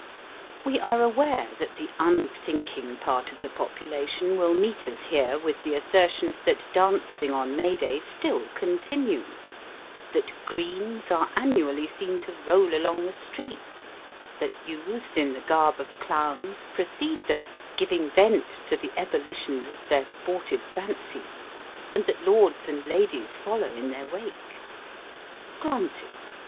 We are aware that the unthinking part of the population will meet Quasi Chimney sweeps. 129 us here, with the assertion, that dancing on May Day still continues that " greens " are annually seen to roll along the streets that youths in the garb of clowns, precede them, giving vent to the ebullitions of their sportive fancies ; and that lords and ladies follow in their wake. Granted.